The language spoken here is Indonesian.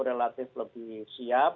relatif lebih siap